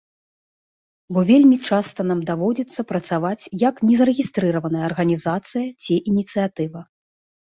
Бо вельмі часта нам даводзіцца працаваць як незарэгістраваная арганізацыя ці ініцыятыва.